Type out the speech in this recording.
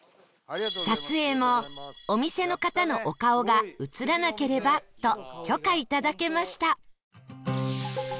撮影もお店の方のお顔が映らなければと許可いただけました